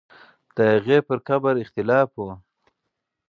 د هغې پر قبر اختلاف وو.